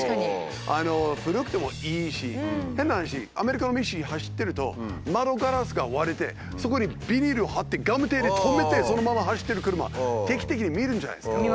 古くてもいいし変な話アメリカの道走ってると窓ガラスが割れてそこにビニールを張ってガムテで留めてそのまま走ってる車定期的に見るじゃないですか。